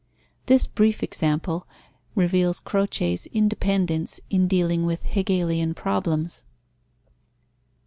This brief example reveals Croce's independence in dealing with Hegelian problems.